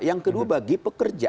yang kedua bagi pekerja